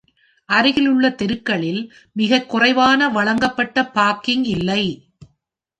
அருகிலுள்ள தெருக்களில் மிகக் குறைவாக வழங்கப்பட்ட பார்க்கிங் இல்லை.